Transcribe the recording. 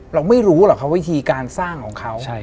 เราไม่รู้หรอกครับวิธีการสร้างของเขา